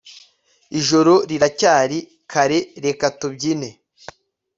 Ijoro riracyari karereka tubyine